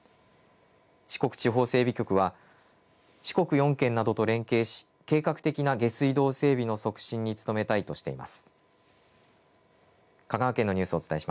四国地方整備局は四国４県などと連携し計画的な下水道整備の促進に努めたいとしています。